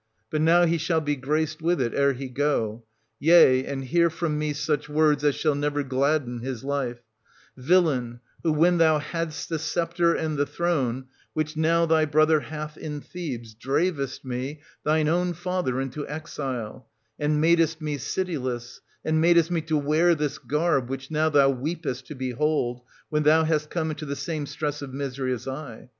But now he shall be graced with it, ere he go, — ^yea, and hear from me such words as shall never gladden his life :— ^villain, who when thou hadst the sceptre and the throne, which now thy brother hath in Thebes, dravest me, thine own father, into exile, and madest me citiless, and madest me to wear this garb which now thou weepest to behold, when thou hast come unto the same stress of misery as I.